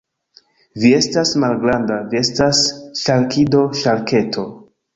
Vi estas malgranda. Vi estas ŝarkido. Ŝarketo.